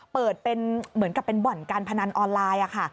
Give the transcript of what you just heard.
เปิดเป็นเหมือนกับเป็นบ่อนการพนันออนไลน์ค่ะ